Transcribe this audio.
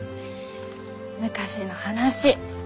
昔の話。